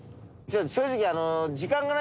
正直。